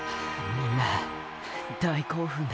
みんな大興奮だよ。